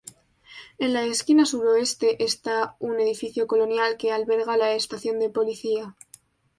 En la esquina suroeste esta un edificio colonial que alberga la estación de policía.